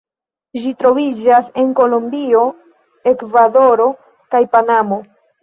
Ĝi troviĝas en Kolombio, Ekvadoro kaj Panamo.